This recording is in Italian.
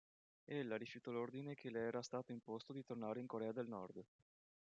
Ella rifiutò l'ordine che le era stato imposto di tornare in Corea del Nord.